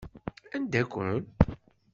Anda-kent?